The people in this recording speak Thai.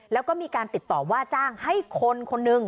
แล้วก็มีการติดต่อว่าจ้างให้คนคนหนึ่ง